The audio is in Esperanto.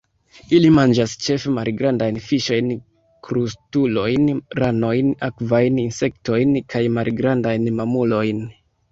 Ili manĝas ĉefe malgrandajn fiŝojn, krustulojn, ranojn, akvajn insektojn, kaj malgrandajn mamulojn.